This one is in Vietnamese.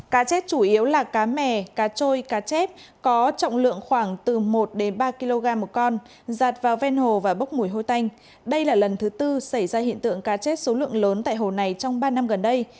cá chết chủ yếu là cá mè cá trôi cá chép có trọng lượng khoảng từ một đến ba kg một con giạt vào ven hồ và bốc mùi hôi tanh đây là lần thứ tư xảy ra hiện tượng cá chết số lượng lớn tại hồ này trong ba năm gần đây